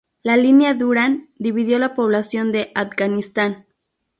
La línea Durand dividió la población de Afganistán.